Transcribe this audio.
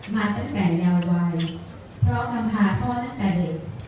มาตั้งแต่เมียววันพร้อมกำพาเฝ้าตั้งแต่เด็ก